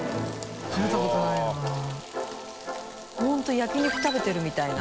本当焼き肉食べてるみたいな。